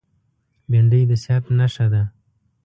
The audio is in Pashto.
بېنډۍ د صحت نښه ده